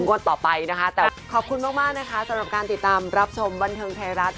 ขอบคุณมากนะคะสำหรับการติดตามรับชมบันเทิงไทยรัตน์